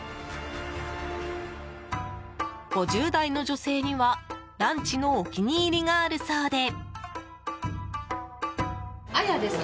５０代の女性にはランチのお気に入りがあるそうで。